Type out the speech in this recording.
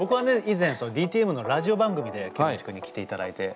以前ＤＴＭのラジオ番組でケンモチ君に来ていただいて。